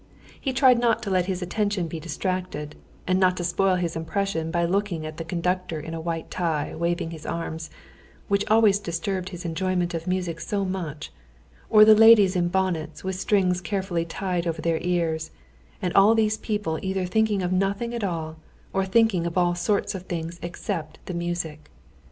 He tried not to let his attention be distracted, and not to spoil his impression by looking at the conductor in a white tie, waving his arms, which always disturbed his enjoyment of music so much, or the ladies in bonnets, with strings carefully tied over their ears, and all these people either thinking of nothing at all or thinking of all sorts of things except the music.